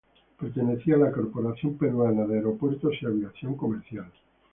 Pertenecía a la Corporación Peruana de Aeropuertos y Aviación Comercial.